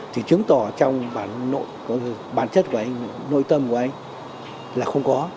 thì chứng tỏ trong bản chất của anh nội tâm của anh là không có